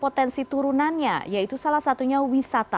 potensi turunannya yaitu salah satunya wisata